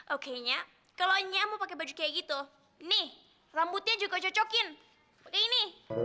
oke nya kalau nyamuk pakai baju kayak gitu nih rambutnya juga cocokin ini